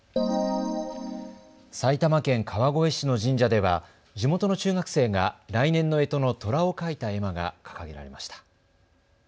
埼玉県川越市の神社では地元の中学生が来年のえとのとらを描いた絵馬が掲げられました。